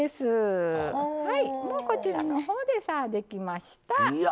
こちらのほうでさあ、できました。